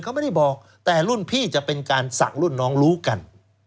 เขาไม่ได้บอกแต่รุ่นพี่จะเป็นการสั่งรุ่นน้องรู้กัน